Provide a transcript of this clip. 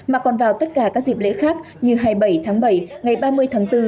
mà còn vào tất cả các dịp lễ khác như hai mươi bảy tháng bảy ngày ba mươi tháng bốn